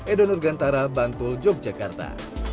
edo nurgantara bantul yogyakarta